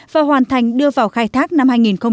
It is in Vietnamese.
và hoàn thành đưa vào khai thác năm hai nghìn bảy